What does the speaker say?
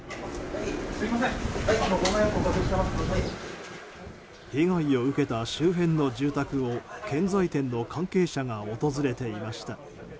被害を受けた周辺の住宅を建材店の関係者が訪れていました。